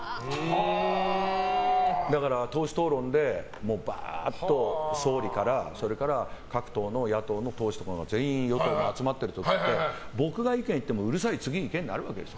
だから党首討論でばーっと総理からそれから各党の野党の党首とか与党とかも集まってる時は僕が意見言ってもうるさい、次にいけになるわけです。